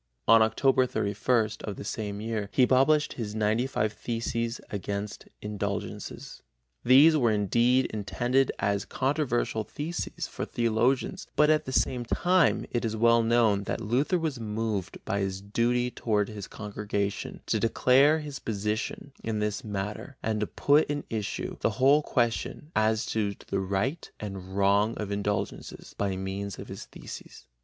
On Oct 31 of the same year he published his 95 Theses against Indulgences. These were indeed intended as controversial theses for theologians, but at the same time it is well known that Luther was moved by his duty toward his congregation to declare his position in this matter and to put in issue the whole question as to the right and wrong of indulgences by means of his theses.